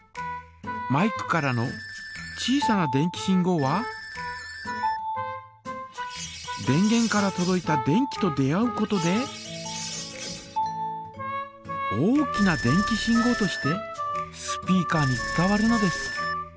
マイクからの小さな電気信号は電げんからとどいた電気と出合うことで大きな電気信号としてスピーカーに伝わるのです。